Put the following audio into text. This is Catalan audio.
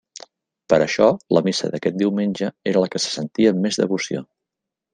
Per això la missa d'aquest diumenge era la que se sentia amb més devoció.